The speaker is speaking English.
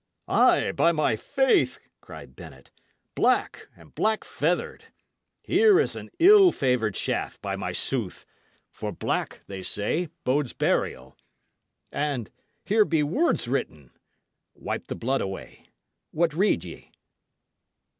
"Ay, by my faith!" cried Bennet. "Black, and black feathered. Here is an ill favoured shaft, by my sooth! for black, they say, bodes burial. And here be words written. Wipe the blood away. What read ye?"